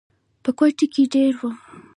پۀ کوئټه کښې دېره وو،